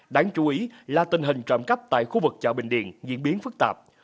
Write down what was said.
đáng chú ý là tình hình trộm cắp tại khu vực chợ bình điện diễn biến phức tạp